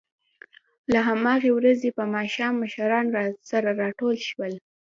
د همهغې ورځې په ماښام مشران سره ټول شول